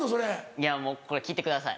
いやもうこれ聞いてください。